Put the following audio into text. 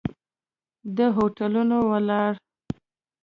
د هوټلونو والا!